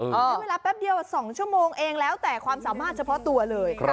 ใช้เวลาแป๊บเดียว๒ชั่วโมงเองแล้วแต่ความสามารถเฉพาะตัวเลย